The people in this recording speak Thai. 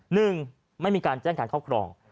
หนึ่งไม่มีการแจ้งการครอบครอง